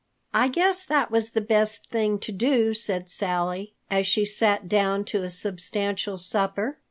"I guess that was the best thing to do," said Sally, as she sat down to a substantial supper.